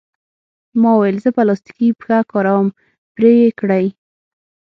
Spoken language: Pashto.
ما وویل: زه پلاستیکي پښه کاروم، پرې یې کړئ.